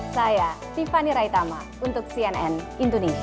saya tiffany raitama untuk cnn indonesia